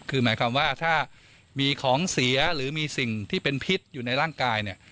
คือหมายความว่าถ้ามีของเสียหรือมีสิ่งที่เป็นพิษอยู่ในร่างกายเนี่ย